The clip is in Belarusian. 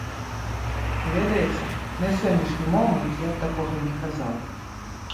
Ведаеце, на сённяшні момант я б такога не казаў.